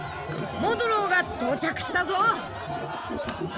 モドゥローが到着したぞ。